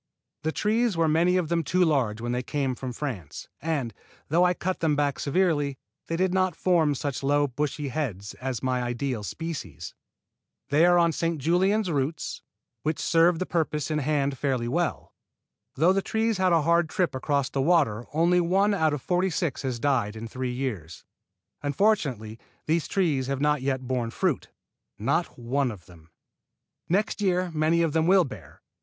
The trees were many of them too large when they came from France, and, though I cut them back severely, they did not form such low bushy heads as my ideal species. They are on St. Julien roots, which serve the purposes in hand fairly well. Though the trees had a hard trip across the water only one out of forty six has died in three years. Unfortunately these trees have not yet borne fruit, not one of them. Next year many of them will bear.